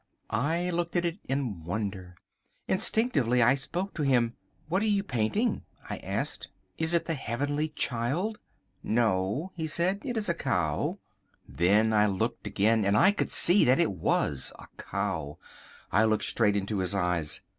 I looked at it in wonder. Instinctively I spoke to him. "What are you painting?" I said. "Is it the Heavenly Child?" "No," he said, "it is a cow!" Then I looked again and I could see that it was a cow. I looked straight into his eyes.